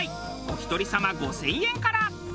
お一人様５０００円から。